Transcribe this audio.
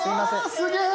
すげえ！